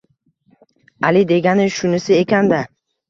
Ali degani shunisi ekan-da